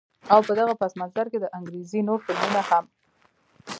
او په دغه پس منظر کښې د انګرېزي نور فلمونه هم